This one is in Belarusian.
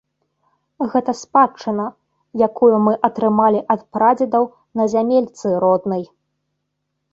Гэта спадчына, якую мы атрымалі ад прадзедаў на зямельцы роднай.